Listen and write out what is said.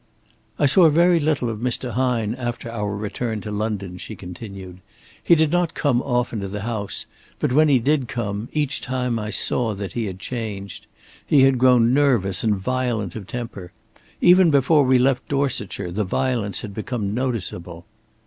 "I saw very little of Mr. Hine after our return to London," she continued. "He did not come often to the house, but when he did come, each time I saw that he had changed. He had grown nervous and violent of temper. Even before we left Dorsetshire the violence had become noticeable."